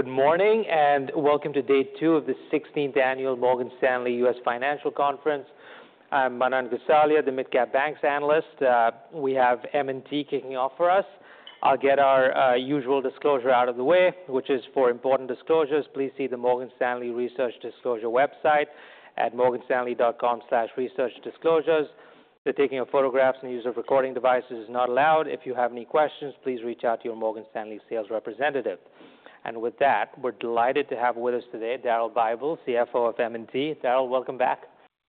Good morning and welcome to day two of the 16th Annual Morgan Stanley U.S. Financial Conference. I'm Manan Gosalia, the Midcap Banks analyst. We have M&T kicking off for us. I'll get our usual disclosure out of the way, which is for important disclosures. Please see the Morgan Stanley Research Disclosure website at morganstanley.com/researchdisclosures. The taking of photographs and use of recording devices is not allowed. If you have any questions, please reach out to your Morgan Stanley sales representative. With that, we're delighted to have with us today Daryl Bible, CFO of M&T. Daryl, welcome back.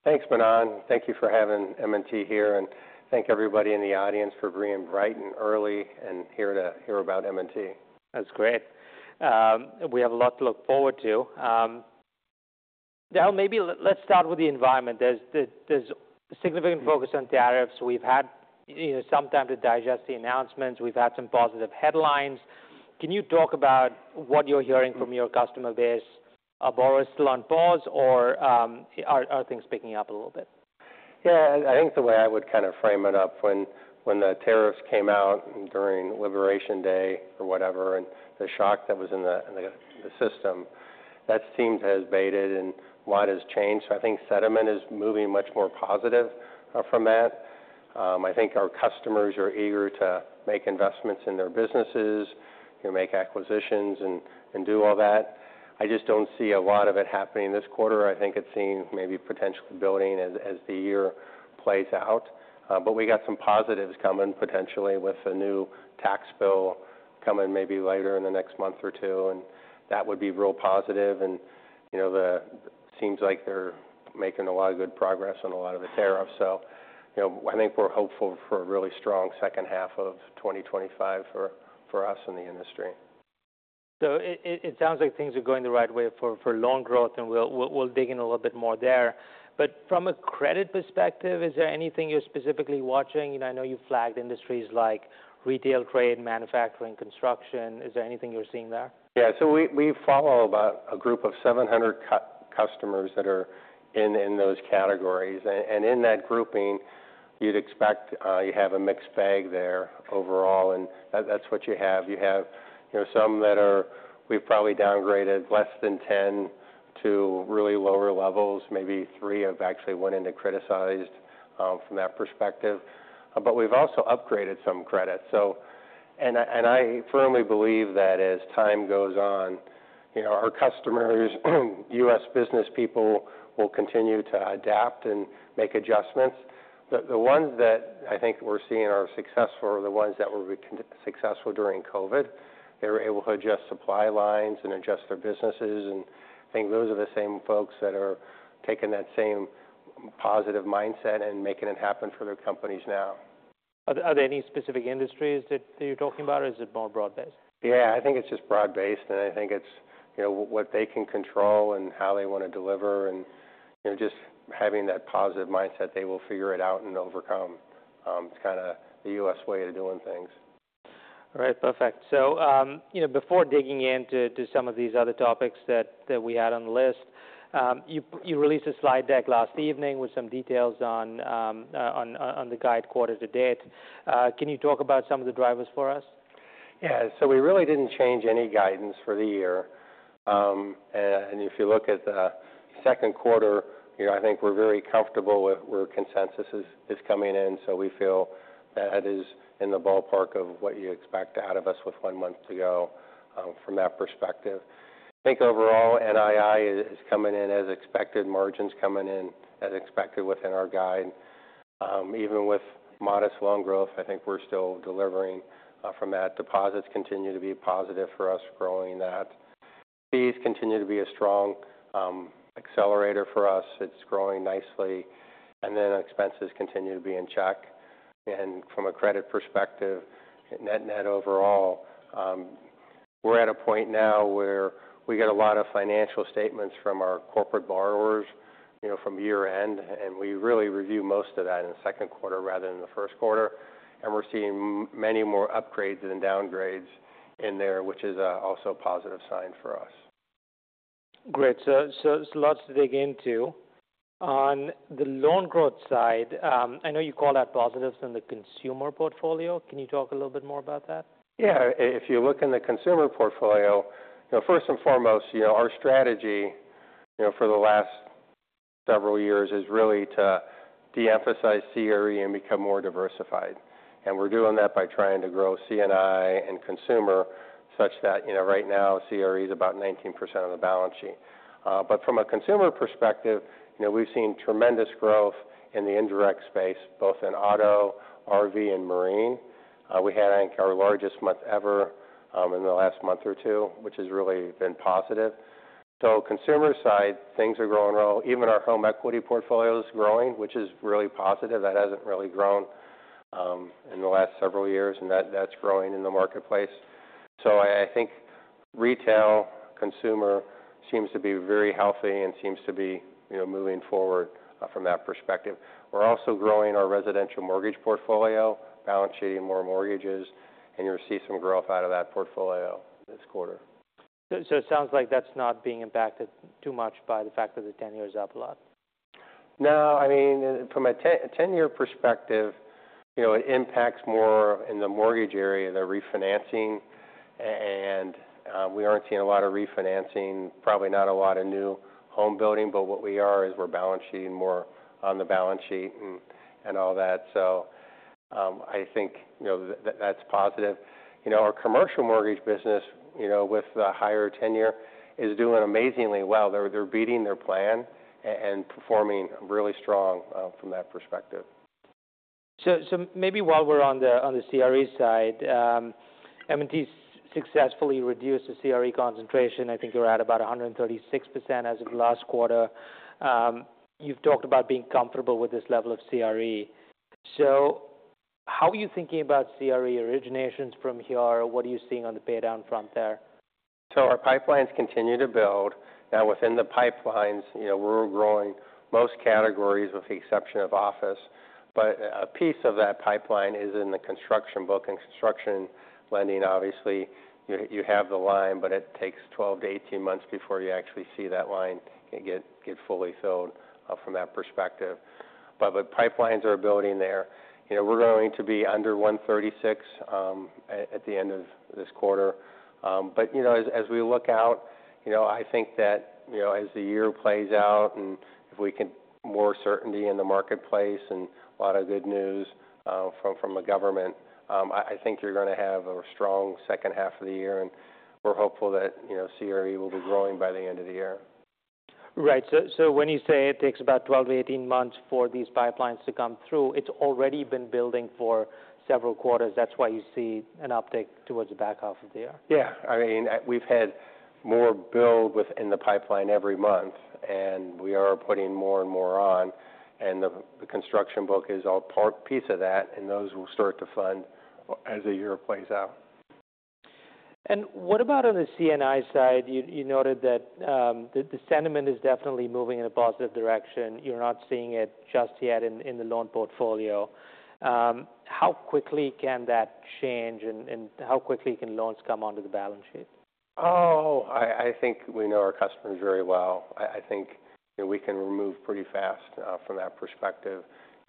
Thanks, Manan. Thank you for having M&T here. Thank everybody in the audience for being bright and early and here to hear about M&T. That's great. We have a lot to look forward to. Daryl, maybe let's start with the environment. There's significant focus on tariffs. We've had some time to digest the announcements. We've had some positive headlines. Can you talk about what you're hearing from your customer base? Are borrowers still on pause or are things picking up a little bit? Yeah, I think the way I would kind of frame it up, when the tariffs came out during Liberation Day or whatever, and the shock that was in the system, that seems has abated and a lot has changed. I think sentiment is moving much more positive from that. I think our customers are eager to make investments in their businesses, make acquisitions, and do all that. I just do not see a lot of it happening this quarter. I think it is seen maybe potentially building as the year plays out. We got some positives coming potentially with a new tax bill coming maybe later in the next month or two. That would be real positive. It seems like they are making a lot of good progress on a lot of the tariffs. I think we're hopeful for a really strong second half of 2025 for us in the industry. It sounds like things are going the right way for loan growth. And we'll dig in a little bit more there. But from a credit perspective, is there anything you're specifically watching? I know you've flagged industries like retail, trade, manufacturing, construction. Is there anything you're seeing there? Yeah, so we follow about a group of 700 customers that are in those categories. In that grouping, you'd expect you have a mixed bag there overall. That is what you have. You have some that are, we've probably downgraded less than 10 to really lower levels. Maybe three have actually went into criticized from that perspective. We've also upgraded some credit. I firmly believe that as time goes on, our customers, U.S. business people, will continue to adapt and make adjustments. The ones that I think we're seeing are successful are the ones that were successful during COVID. They were able to adjust supply lines and adjust their businesses. I think those are the same folks that are taking that same positive mindset and making it happen for their companies now. Are there any specific industries that you're talking about, or is it more broad-based? Yeah, I think it's just broad-based. I think it's what they can control and how they want to deliver. Just having that positive mindset, they will figure it out and overcome. It's kind of the U.S. way of doing things. All right, perfect. Before digging into some of these other topics that we had on the list, you released a slide deck last evening with some details on the guide quarter to date. Can you talk about some of the drivers for us? Yeah, so we really did not change any guidance for the year. If you look at the second quarter, I think we are very comfortable with where consensus is coming in. We feel that is in the ballpark of what you expect out of us with one month to go from that perspective. I think overall, NII is coming in as expected, margins coming in as expected within our guide. Even with modest loan growth, I think we are still delivering from that. Deposits continue to be positive for us, growing that. Fees continue to be a strong accelerator for us. It is growing nicely. Expenses continue to be in check. From a credit perspective, net-net overall, we are at a point now where we get a lot of financial statements from our corporate borrowers from year-end. We really review most of that in the second quarter rather than the first quarter. We are seeing many more upgrades than downgrades in there, which is also a positive sign for us. Great. Lots to dig into. On the loan growth side, I know you call out positives in the consumer portfolio. Can you talk a little bit more about that? Yeah, if you look in the consumer portfolio, first and foremost, our strategy for the last several years is really to de-emphasize CRE and become more diversified. We are doing that by trying to grow CNI and consumer such that right now, CRE is about 19% of the balance sheet. From a consumer perspective, we have seen tremendous growth in the indirect space, both in auto, RV, and marine. We had, I think, our largest month ever in the last month or two, which has really been positive. Consumer side, things are growing well. Even our home equity portfolio is growing, which is really positive. That has not really grown in the last several years. That is growing in the marketplace. I think retail, consumer seems to be very healthy and seems to be moving forward from that perspective. We're also growing our residential mortgage portfolio, balance sheeting more mortgages. You'll see some growth out of that portfolio this quarter. It sounds like that's not being impacted too much by the fact that the tenure is up a lot. No, I mean, from a ten-year perspective, it impacts more in the mortgage area, the refinancing. We aren't seeing a lot of refinancing, probably not a lot of new home building. What we are is we're balance sheeting more on the balance sheet and all that. I think that's positive. Our commercial mortgage business, with the higher tenure, is doing amazingly well. They're beating their plan and performing really strong from that perspective. Maybe while we're on the CRE side, M&T successfully reduced the CRE concentration. I think you're at about 136% as of last quarter. You've talked about being comfortable with this level of CRE. How are you thinking about CRE originations from here? What are you seeing on the paydown front there? Our pipelines continue to build. Now, within the pipelines, we're growing most categories with the exception of office. A piece of that pipeline is in the construction book. In construction lending, obviously, you have the line, but it takes 12 to 18 months before you actually see that line get fully filled from that perspective. Pipelines are building there. We're going to be under $136 at the end of this quarter. As we look out, I think that as the year plays out and if we can get more certainty in the marketplace and a lot of good news from the government, I think you're going to have a strong second half of the year. We're hopeful that CRE will be growing by the end of the year. Right. When you say it takes about 12 to 18 months for these pipelines to come through, it's already been building for several quarters. That's why you see an uptick towards the back half of the year. Yeah, I mean, we've had more build within the pipeline every month. We are putting more and more on. The construction book is a piece of that. Those will start to fund as the year plays out. What about on the CNI side? You noted that the sentiment is definitely moving in a positive direction. You're not seeing it just yet in the loan portfolio. How quickly can that change? How quickly can loans come onto the balance sheet? Oh, I think we know our customers very well. I think we can remove pretty fast from that perspective.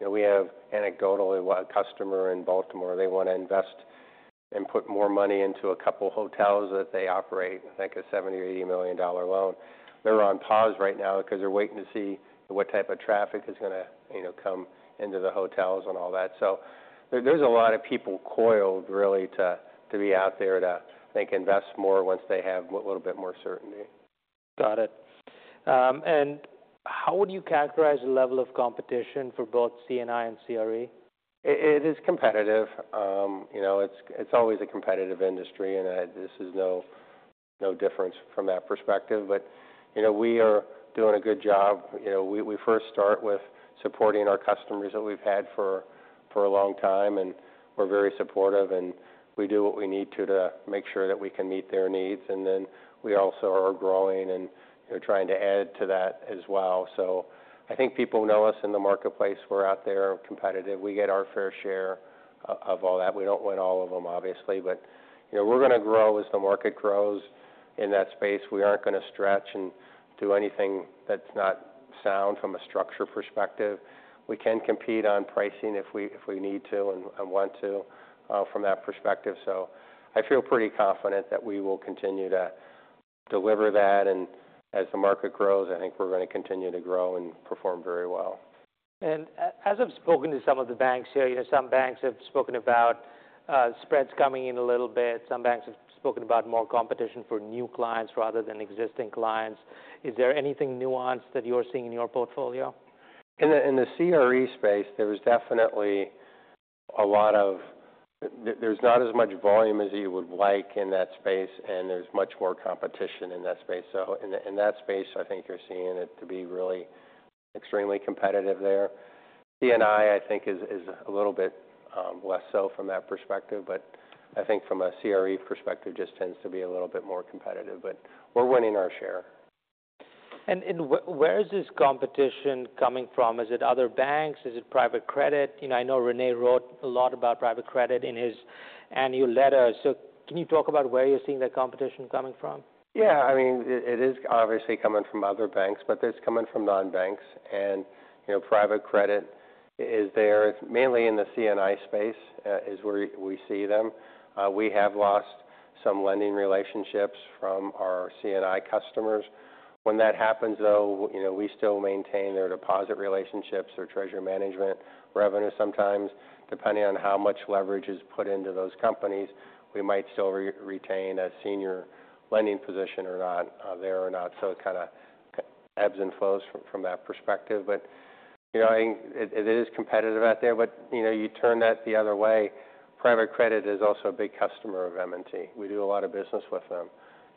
We have anecdotally a customer in Baltimore. They want to invest and put more money into a couple of hotels that they operate, I think a $70 million or $80 million loan. They're on pause right now because they're waiting to see what type of traffic is going to come into the hotels and all that. There are a lot of people coiled really to be out there to, I think, invest more once they have a little bit more certainty. Got it. How would you characterize the level of competition for both CNI and CRE? It is competitive. It's always a competitive industry. This is no different from that perspective. We are doing a good job. We first start with supporting our customers that we've had for a long time. We're very supportive. We do what we need to to make sure that we can meet their needs. We also are growing and trying to add to that as well. I think people know us in the marketplace. We're out there competitive. We get our fair share of all that. We don't win all of them, obviously. We're going to grow as the market grows in that space. We aren't going to stretch and do anything that's not sound from a structure perspective. We can compete on pricing if we need to and want to from that perspective. I feel pretty confident that we will continue to deliver that. As the market grows, I think we're going to continue to grow and perform very well. As I've spoken to some of the banks here, some banks have spoken about spreads coming in a little bit. Some banks have spoken about more competition for new clients rather than existing clients. Is there anything nuanced that you're seeing in your portfolio? In the CRE space, there is definitely a lot of, there's not as much volume as you would like in that space. There is much more competition in that space. In that space, I think you're seeing it to be really extremely competitive there. CNI, I think, is a little bit less so from that perspective. I think from a CRE perspective, it just tends to be a little bit more competitive. We're winning our share. Where is this competition coming from? Is it other banks? Is it private credit? I know René wrote a lot about private credit in his annual letter. Can you talk about where you're seeing that competition coming from? Yeah, I mean, it is obviously coming from other banks. It is coming from non-banks. Private credit is there. It is mainly in the CNI space is where we see them. We have lost some lending relationships from our CNI customers. When that happens, though, we still maintain their deposit relationships, their treasury management revenue sometimes. Depending on how much leverage is put into those companies, we might still retain a senior lending position there or not. It kind of ebbs and flows from that perspective. It is competitive out there. You turn that the other way, private credit is also a big customer of M&T. We do a lot of business with them.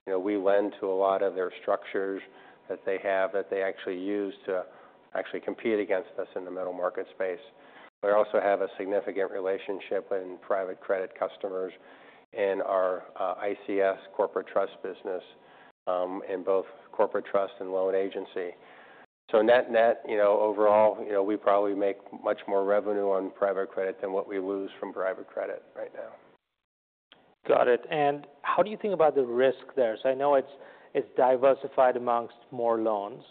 We lend to a lot of their structures that they have that they actually use to actually compete against us in the middle market space. We also have a significant relationship with private credit customers in our ICS corporate trust business in both corporate trust and loan agency. Net-net overall, we probably make much more revenue on private credit than what we lose from private credit right now. Got it. How do you think about the risk there? I know it's diversified amongst more loans.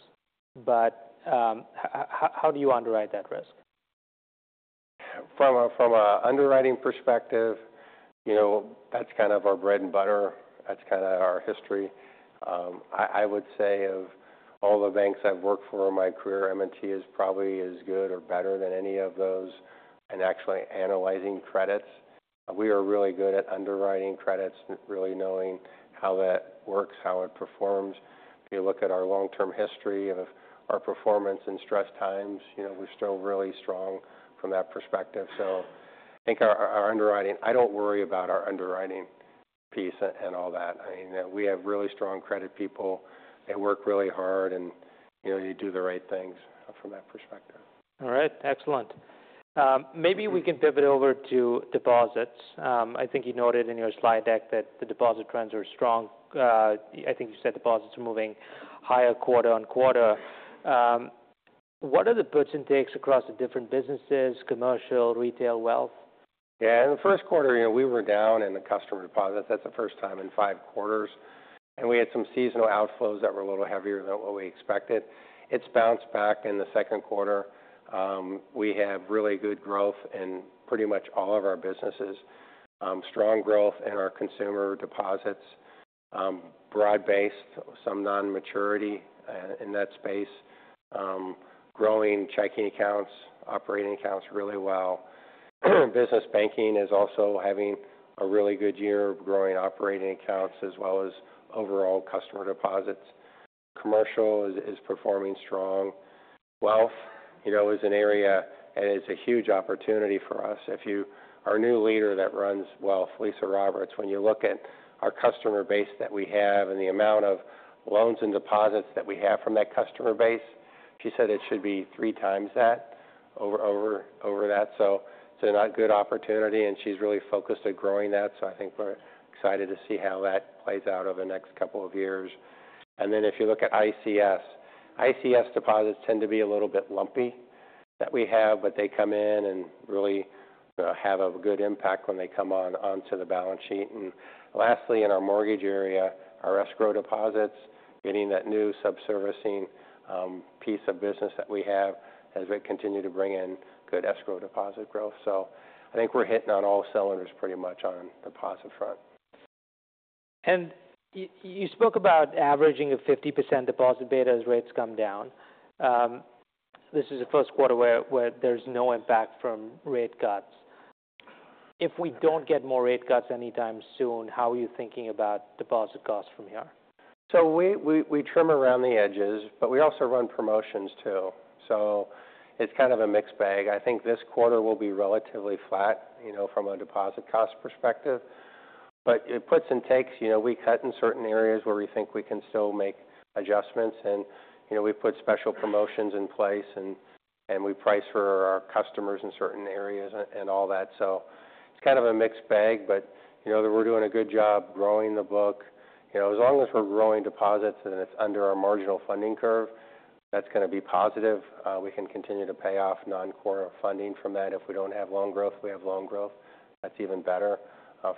How do you underwrite that risk? From an underwriting perspective, that's kind of our bread and butter. That's kind of our history. I would say of all the banks I've worked for in my career, M&T is probably as good or better than any of those in actually analyzing credits. We are really good at underwriting credits, really knowing how that works, how it performs. If you look at our long-term history of our performance in stress times, we're still really strong from that perspective. I think our underwriting, I don't worry about our underwriting piece and all that. I mean, we have really strong credit people. They work really hard. They do the right things from that perspective. All right, excellent. Maybe we can pivot over to deposits. I think you noted in your slide deck that the deposit trends are strong. I think you said deposits are moving higher quarter on quarter. What are the percentages across the different businesses, commercial, retail, wealth? Yeah, in the first quarter, we were down in the customer deposits. That's the first time in five quarters. We had some seasonal outflows that were a little heavier than what we expected. It's bounced back in the second quarter. We have really good growth in pretty much all of our businesses, strong growth in our consumer deposits, broad-based, some non-maturity in that space, growing checking accounts, operating accounts really well. Business banking is also having a really good year of growing operating accounts as well as overall customer deposits. Commercial is performing strong. Wealth is an area that is a huge opportunity for us. If you are a new leader that runs wealth, Lisa Roberts, when you look at our customer base that we have and the amount of loans and deposits that we have from that customer base, she said it should be three times that over that. It is a good opportunity. She is really focused on growing that. I think we are excited to see how that plays out over the next couple of years. If you look at ICS, ICS deposits tend to be a little bit lumpy that we have. They come in and really have a good impact when they come onto the balance sheet. Lastly, in our mortgage area, our escrow deposits, getting that new sub-servicing piece of business that we have as we continue to bring in good escrow deposit growth. I think we're hitting on all cylinders pretty much on the positive front. You spoke about averaging a 50% deposit bid as rates come down. This is the first quarter where there is no impact from rate cuts. If we do not get more rate cuts anytime soon, how are you thinking about deposit costs from here? We trim around the edges. We also run promotions too. It is kind of a mixed bag. I think this quarter will be relatively flat from a deposit cost perspective. It is puts and takes. We cut in certain areas where we think we can still make adjustments. We put special promotions in place. We price for our customers in certain areas and all that. It is kind of a mixed bag. We are doing a good job growing the book. As long as we are growing deposits and it is under our marginal funding curve, that is going to be positive. We can continue to pay off non-core funding from that. If we do not have loan growth, we have loan growth. That is even better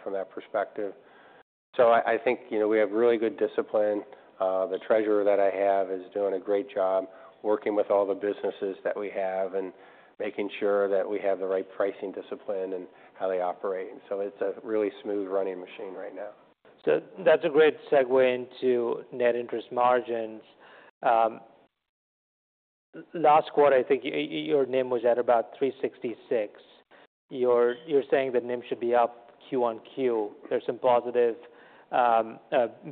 from that perspective. I think we have really good discipline. The treasurer that I have is doing a great job working with all the businesses that we have and making sure that we have the right pricing discipline and how they operate. It is a really smooth-running machine right now. That's a great segue into net interest margins. Last quarter, I think your NIM was at about 366. You're saying that NIM should be up Q on Q. There's some positive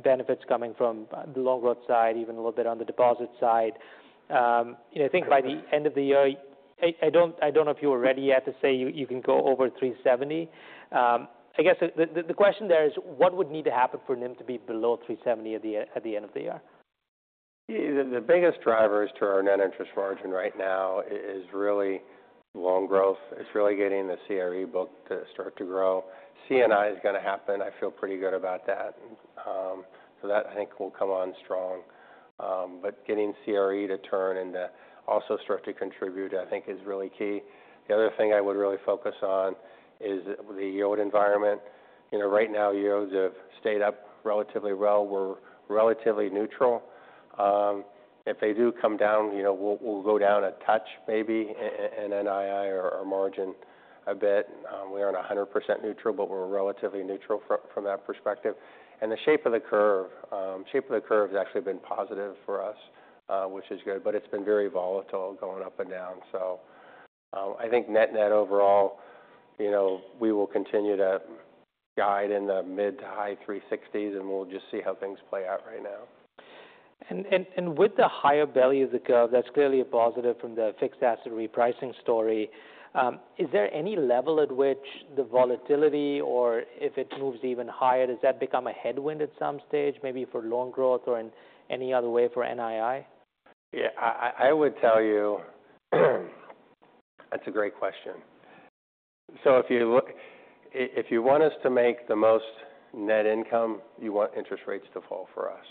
benefits coming from the loan growth side, even a little bit on the deposit side. I think by the end of the year, I don't know if you were ready yet to say you can go over 370. I guess the question there is, what would need to happen for NIM to be below 370 at the end of the year? The biggest drivers to our net interest margin right now is really loan growth. It's really getting the CRE book to start to grow. CNI is going to happen. I feel pretty good about that. So that, I think, will come on strong. But getting CRE to turn and to also start to contribute, I think, is really key. The other thing I would really focus on is the yield environment. Right now, yields have stayed up relatively well. We're relatively neutral. If they do come down, we'll go down a touch maybe in NII or margin a bit. We aren't 100% neutral. But we're relatively neutral from that perspective. The shape of the curve, the shape of the curve has actually been positive for us, which is good. But it's been very volatile going up and down. I think net-net overall, we will continue to guide in the mid to high 360s. We will just see how things play out right now. With the higher values that go, that's clearly a positive from the fixed asset repricing story. Is there any level at which the volatility or if it moves even higher, does that become a headwind at some stage maybe for loan growth or in any other way for NII? Yeah, I would tell you that's a great question. If you want us to make the most net income, you want interest rates to fall for us.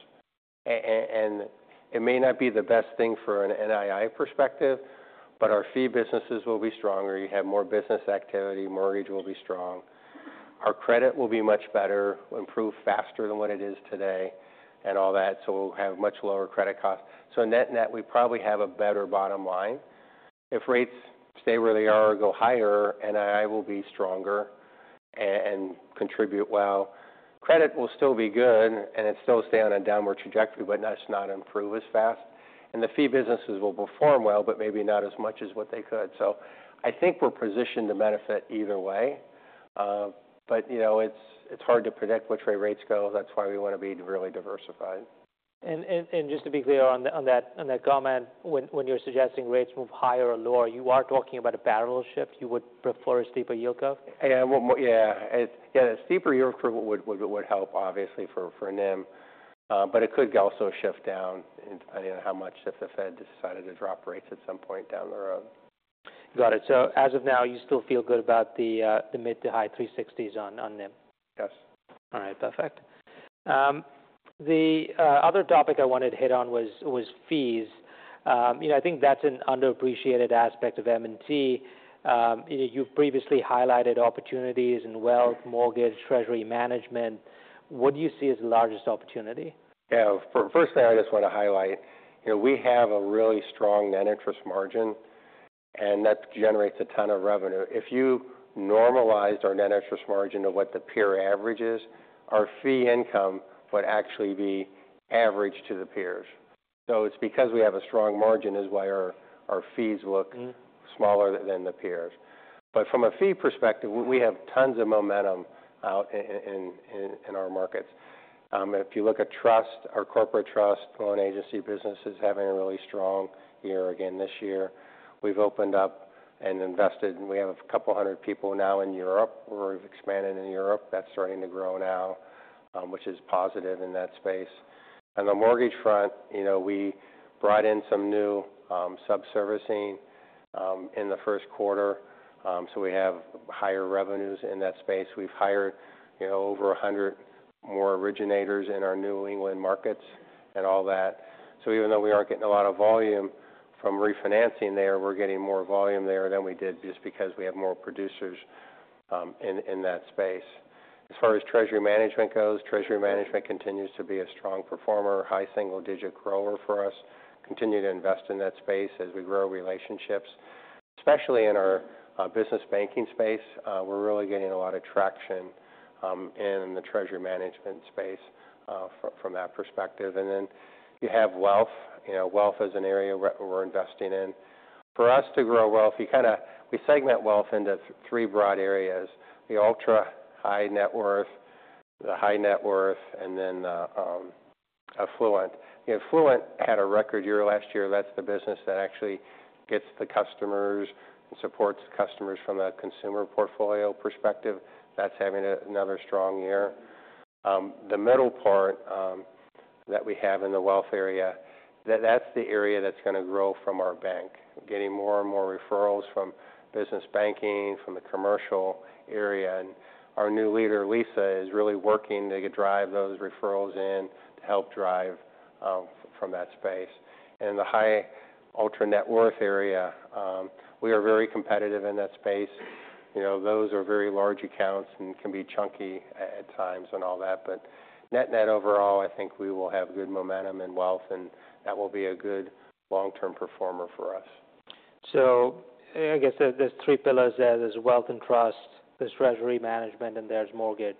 It may not be the best thing from an NII perspective, but our fee businesses will be stronger. You have more business activity. Mortgage will be strong. Our credit will be much better, improve faster than what it is today and all that. We will have much lower credit costs. Net-net, we probably have a better bottom line. If rates stay where they are or go higher, NII will be stronger and contribute well. Credit will still be good. It will still stay on a downward trajectory, but it's not going to improve as fast. The fee businesses will perform well, but maybe not as much as what they could. I think we're positioned to benefit either way. It's hard to predict which way rates go. That's why we want to be really diversified. Just to be clear on that comment, when you're suggesting rates move higher or lower, you are talking about a parallel shift. You would prefer a steeper yield curve? Yeah, yeah. A steeper yield curve would help, obviously, for NIM. But it could also shift down depending on how much if the Fed decided to drop rates at some point down the road. Got it. So as of now, you still feel good about the mid to high 360s on NIM? Yes. All right, perfect. The other topic I wanted to hit on was fees. I think that's an underappreciated aspect of M&T. You've previously highlighted opportunities in wealth, mortgage, treasury management. What do you see as the largest opportunity? Yeah, first thing I just want to highlight, we have a really strong net interest margin. That generates a ton of revenue. If you normalized our net interest margin to what the peer average is, our fee income would actually be averaged to the peers. It is because we have a strong margin is why our fees look smaller than the peers. From a fee perspective, we have tons of momentum out in our markets. If you look at trust, our corporate trust, loan agency businesses having a really strong year again this year. We have opened up and invested. We have a couple hundred people now in Europe. We have expanded in Europe. That is starting to grow now, which is positive in that space. On the mortgage front, we brought in some new sub-servicing in the first quarter. We have higher revenues in that space. We've hired over 100 more originators in our New England markets and all that. Even though we aren't getting a lot of volume from refinancing there, we're getting more volume there than we did just because we have more producers in that space. As far as treasury management goes, treasury management continues to be a strong performer, high single-digit grower for us. Continue to invest in that space as we grow relationships, especially in our business banking space. We're really getting a lot of traction in the treasury management space from that perspective. You have wealth. Wealth is an area we're investing in. For us to grow wealth, we segment wealth into three broad areas: the ultra-high net worth, the high net worth, and then affluent. Affluent had a record year last year. That's the business that actually gets the customers and supports the customers from a consumer portfolio perspective. That's having another strong year. The middle part that we have in the wealth area, that's the area that's going to grow from our bank, getting more and more referrals from business banking, from the commercial area. Our new leader, Lisa, is really working to drive those referrals in to help drive from that space. The high ultra-net-worth area, we are very competitive in that space. Those are very large accounts and can be chunky at times and all that. Net-net overall, I think we will have good momentum in wealth. That will be a good long-term performer for us. I guess there's three pillars there: there's wealth and trust, there's treasury management, and there's mortgage.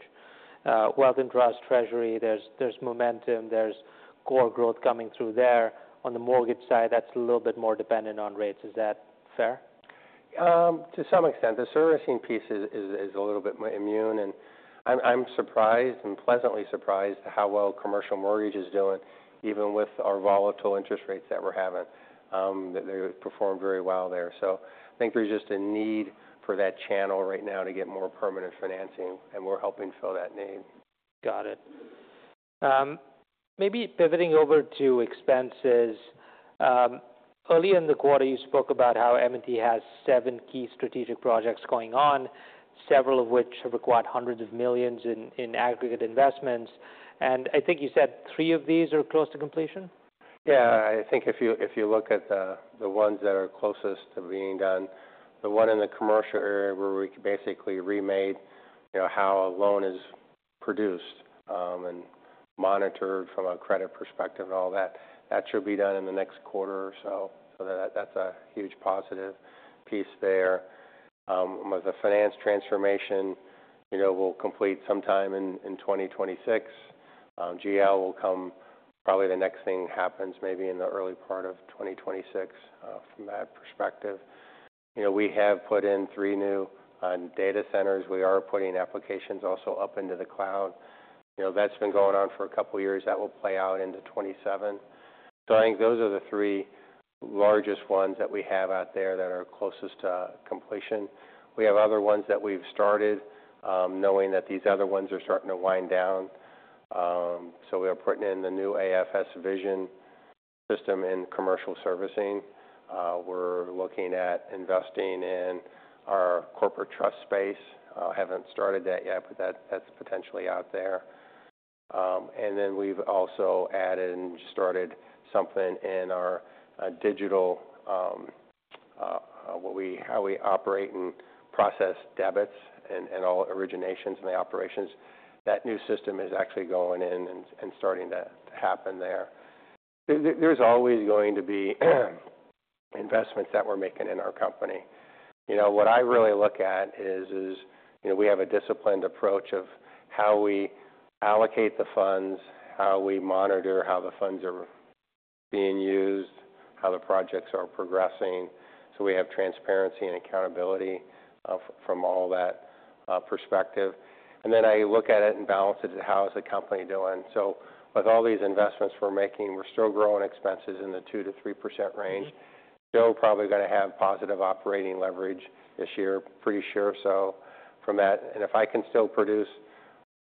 Wealth and trust, treasury, there's momentum. There's core growth coming through there. On the mortgage side, that's a little bit more dependent on rates. Is that fair? To some extent. The servicing piece is a little bit more immune. I'm surprised and pleasantly surprised how well commercial mortgage is doing, even with our volatile interest rates that we're having. They perform very well there. I think there's just a need for that channel right now to get more permanent financing. We're helping fill that need. Got it. Maybe pivoting over to expenses. Earlier in the quarter, you spoke about how M&T has seven key strategic projects going on, several of which have required hundreds of millions in aggregate investments. I think you said three of these are close to completion? Yeah, I think if you look at the ones that are closest to being done, the one in the commercial area where we basically remade how a loan is produced and monitored from a credit perspective and all that, that should be done in the next quarter or so. That is a huge positive piece there. With the finance transformation, we will complete sometime in 2026. GL will come probably the next thing happens maybe in the early part of 2026 from that perspective. We have put in three new data centers. We are putting applications also up into the cloud. That has been going on for a couple of years. That will play out into 2027. I think those are the three largest ones that we have out there that are closest to completion. We have other ones that we've started knowing that these other ones are starting to wind down. We are putting in the new AFS Vision system in commercial servicing. We're looking at investing in our corporate trust space. I haven't started that yet. That is potentially out there. We've also added and started something in our digital, how we operate and process debits and all originations and the operations. That new system is actually going in and starting to happen there. There is always going to be investments that we're making in our company. What I really look at is we have a disciplined approach of how we allocate the funds, how we monitor how the funds are being used, how the projects are progressing. We have transparency and accountability from all that perspective. I look at it and balance it to how is the company doing. With all these investments we're making, we're still growing expenses in the 2-3% range. Still probably going to have positive operating leverage this year, pretty sure from that. If I can still produce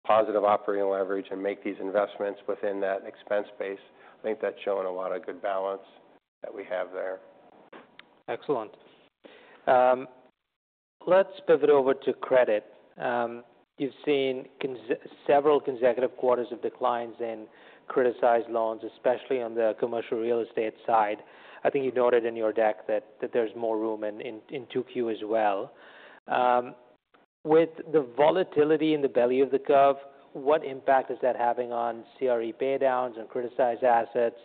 positive operating leverage and make these investments within that expense base, I think that's showing a lot of good balance that we have there. Excellent. Let's pivot over to credit. You've seen several consecutive quarters of declines in criticized loans, especially on the commercial real estate side. I think you noted in your deck that there's more room in 2Q as well. With the volatility in the belly of the curve, what impact is that having on CRE paydowns and criticized assets?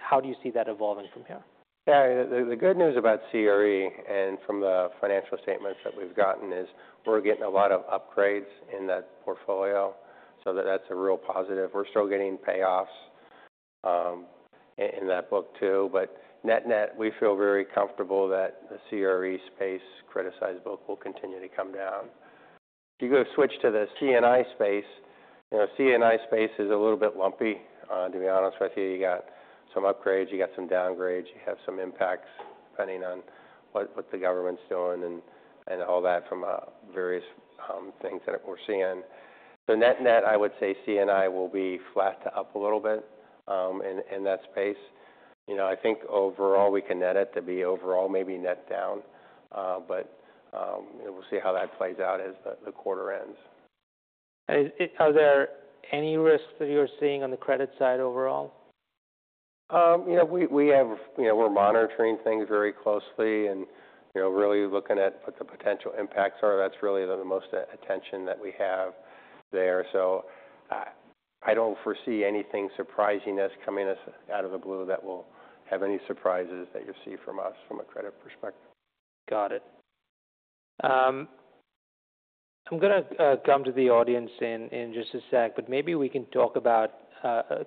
How do you see that evolving from here? Yeah, the good news about CRE and from the financial statements that we've gotten is we're getting a lot of upgrades in that portfolio. That's a real positive. We're still getting payoffs in that book too. Net-net, we feel very comfortable that the CRE space criticized book will continue to come down. If you go switch to the CNI space, CNI space is a little bit lumpy, to be honest with you. You got some upgrades. You got some downgrades. You have some impacts depending on what the government's doing and all that from various things that we're seeing. Net-net, I would say CNI will be flat to up a little bit in that space. I think overall we can net it to be overall maybe net down. We'll see how that plays out as the quarter ends. Are there any risks that you're seeing on the credit side overall? We're monitoring things very closely and really looking at what the potential impacts are. That's really the most attention that we have there. I don't foresee anything surprising us coming out of the blue that will have any surprises that you see from us from a credit perspective. Got it. I'm going to come to the audience in just a sec. But maybe we can talk about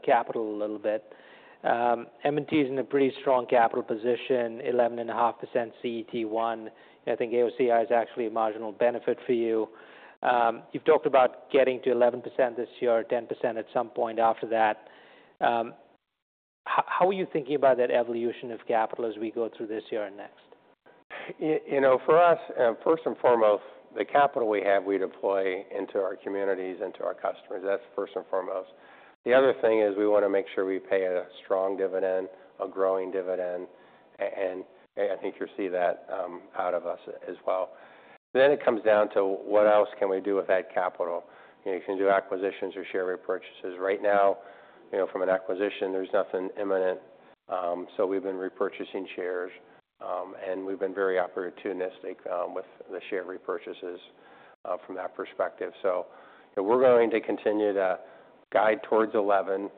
capital a little bit. M&T is in a pretty strong capital position, 11.5% CET1. I think AOCI is actually a marginal benefit for you. You've talked about getting to 11% this year, 10% at some point after that. How are you thinking about that evolution of capital as we go through this year and next? For us, first and foremost, the capital we have, we deploy into our communities, into our customers. That is first and foremost. The other thing is we want to make sure we pay a strong dividend, a growing dividend. I think you will see that out of us as well. It comes down to what else can we do with that capital? You can do acquisitions or share repurchases. Right now, from an acquisition, there is nothing imminent. We have been repurchasing shares. We have been very opportunistic with the share repurchases from that perspective. We are going to continue to guide towards 11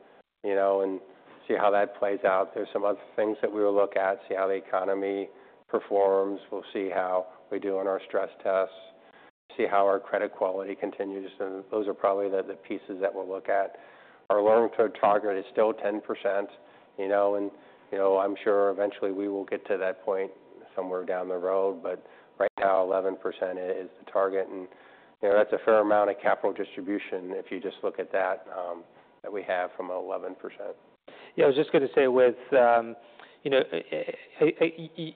and see how that plays out. There are some other things that we will look at, see how the economy performs. We will see how we do on our stress tests, see how our credit quality continues. Those are probably the pieces that we will look at. Our long-term target is still 10%. I'm sure eventually we will get to that point somewhere down the road. Right now, 11% is the target. That's a fair amount of capital distribution if you just look at that that we have from 11%. Yeah, I was just going to say with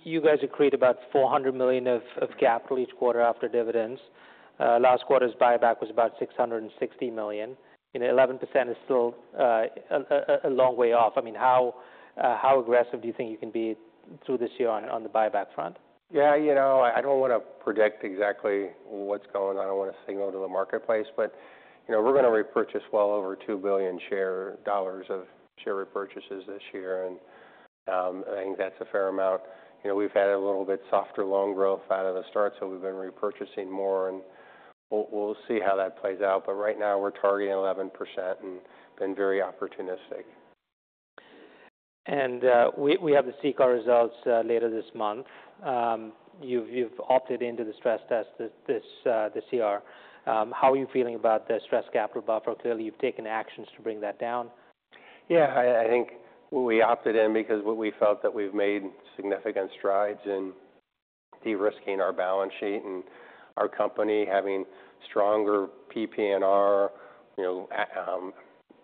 you guys have created about $400 million of capital each quarter after dividends. Last quarter's buyback was about $660 million. 11% is still a long way off. I mean, how aggressive do you think you can be through this year on the buyback front? Yeah, I do not want to predict exactly what is going on. I do not want to signal to the marketplace. We are going to repurchase well over $2 billion of share repurchases this year. I think that is a fair amount. We have had a little bit softer loan growth out of the start, so we have been repurchasing more. We will see how that plays out. Right now, we are targeting 11% and have been very opportunistic. We have to seek our results later this month. You've opted into the stress test, the SCB. How are you feeling about the stress capital buffer? Clearly, you've taken actions to bring that down. Yeah, I think we opted in because we felt that we've made significant strides in de-risking our balance sheet and our company having stronger PPNR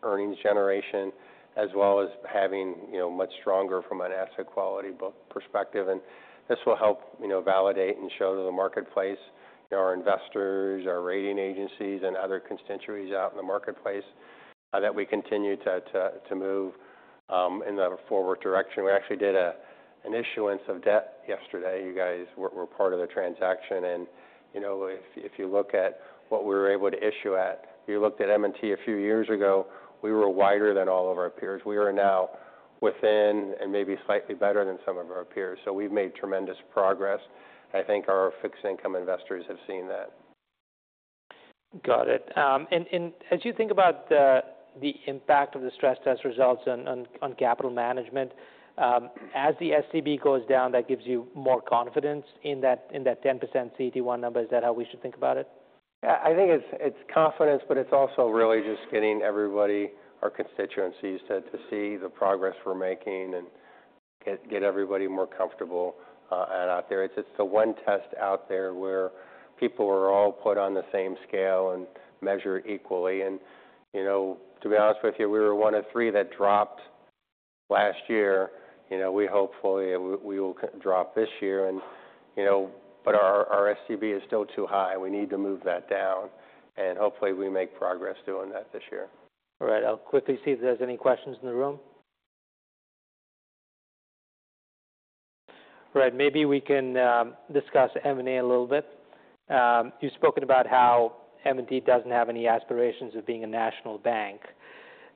earnings generation, as well as having much stronger from an asset quality perspective. This will help validate and show to the marketplace, our investors, our rating agencies, and other constituents out in the marketplace that we continue to move in the forward direction. We actually did an issuance of debt yesterday. You guys were part of the transaction. If you look at what we were able to issue at, you looked at M&T a few years ago, we were wider than all of our peers. We are now within and maybe slightly better than some of our peers. We have made tremendous progress. I think our fixed income investors have seen that. Got it. As you think about the impact of the stress test results on capital management, as the SCB goes down, that gives you more confidence in that 10% CET1 number. Is that how we should think about it? Yeah, I think it's confidence. But it's also really just getting everybody, our constituencies, to see the progress we're making and get everybody more comfortable out there. It's the one test out there where people are all put on the same scale and measured equally. To be honest with you, we were one of three that dropped last year. We hopefully will drop this year. Our SCB is still too high. We need to move that down. Hopefully, we make progress doing that this year. All right. I'll quickly see if there's any questions in the room. All right, maybe we can discuss M&A a little bit. You've spoken about how M&T doesn't have any aspirations of being a national bank.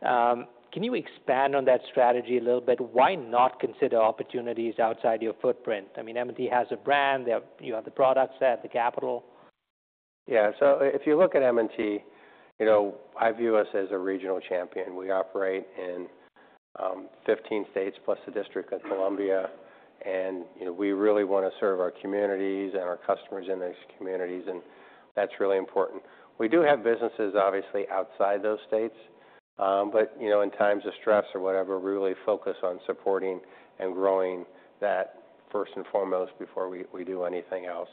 Can you expand on that strategy a little bit? Why not consider opportunities outside your footprint? I mean, M&T has a brand. You have the products, the capital. Yeah, so if you look at M&T, I view us as a regional champion. We operate in 15 states plus the District of Columbia. We really want to serve our communities and our customers in those communities. That is really important. We do have businesses, obviously, outside those states. In times of stress or whatever, we really focus on supporting and growing that first and foremost before we do anything else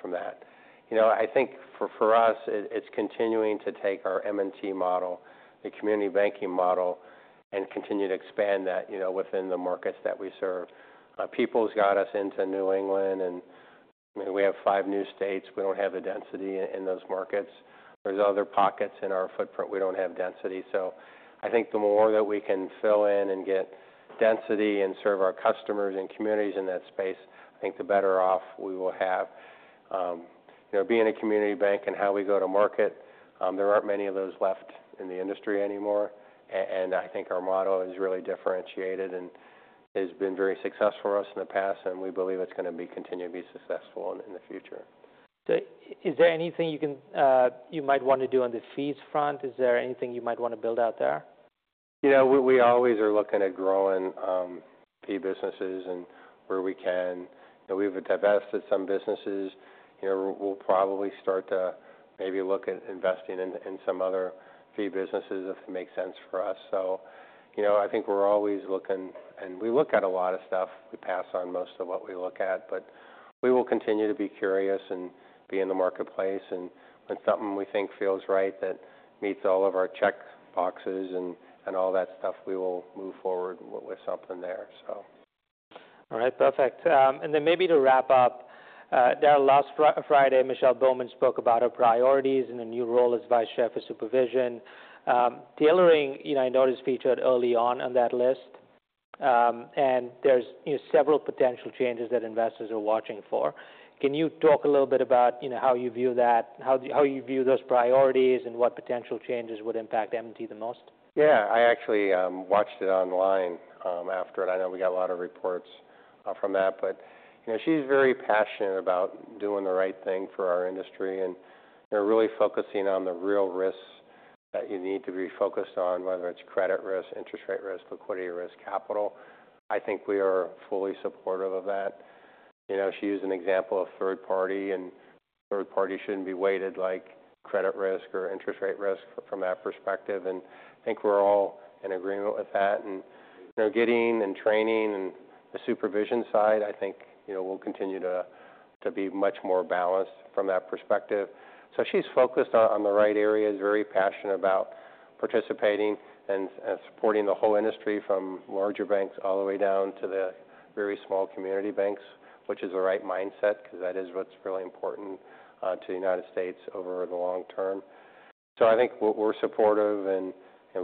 from that. I think for us, it is continuing to take our M&T model, the community banking model, and continue to expand that within the markets that we serve. People's got us into New England. We have five new states. We do not have the density in those markets. There are other pockets in our footprint. We do not have density. I think the more that we can fill in and get density and serve our customers and communities in that space, I think the better off we will have. Being a community bank and how we go to market, there are not many of those left in the industry anymore. I think our motto has really differentiated and has been very successful for us in the past. We believe it is going to continue to be successful in the future. Is there anything you might want to do on the fees front? Is there anything you might want to build out there? We always are looking at growing fee businesses and where we can. We've divested some businesses. We'll probably start to maybe look at investing in some other fee businesses if it makes sense for us. I think we're always looking. We look at a lot of stuff. We pass on most of what we look at. We will continue to be curious and be in the marketplace. When something we think feels right that meets all of our checkboxes and all that stuff, we will move forward with something there. All right, perfect. Maybe to wrap up, last Friday, Michelle Bowman spoke about her priorities and a new role as Vice-Chief of Supervision. Tailoring, I noticed, featured early on on that list. There are several potential changes that investors are watching for. Can you talk a little bit about how you view that, how you view those priorities, and what potential changes would impact M&T the most? Yeah, I actually watched it online after it. I know we got a lot of reports from that. She is very passionate about doing the right thing for our industry and really focusing on the real risks that you need to be focused on, whether it is credit risk, interest rate risk, liquidity risk, capital. I think we are fully supportive of that. She used an example of third party. Third party should not be weighted like credit risk or interest rate risk from that perspective. I think we are all in agreement with that. Getting and training and the supervision side, I think will continue to be much more balanced from that perspective. She is focused on the right areas, very passionate about participating and supporting the whole industry from larger banks all the way down to the very small community banks, which is the right mindset because that is what is really important to the United States over the long term. I think we are supportive and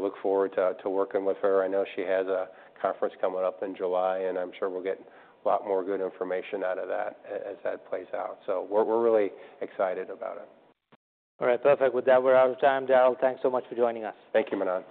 look forward to working with her. I know she has a conference coming up in July. I am sure we will get a lot more good information out of that as that plays out. We are really excited about it. All right, perfect. With that, we're out of time. Daryl, thanks so much for joining us. Thank you, Manan.